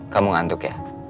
kamu ngantuk ya